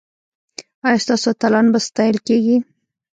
ایا ستاسو اتلان به ستایل کیږي؟